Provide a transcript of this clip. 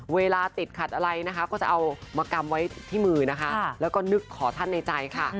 เวลาติดขัดอะไรนะคะก็จะเอามากำไว้ที่มือนะคะแล้วก็นึกขอท่านในใจค่ะ